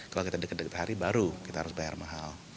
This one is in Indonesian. kalau kita deket deket hari baru kita harus bayar mahal